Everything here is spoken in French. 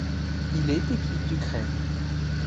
Il est équipe d'Ukraine.